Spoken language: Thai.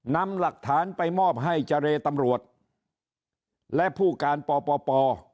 นำหลักฐานไปมอบให้เจรตำรวจและผู้การปป